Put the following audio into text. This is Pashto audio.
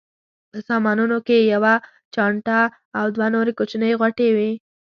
په سامانونو کې یوه چانټه او دوه نورې کوچنۍ غوټې وې.